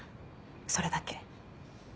それだけ。